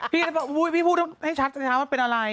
พี่พูดให้ชัดสิคะว่าเป็นอะไร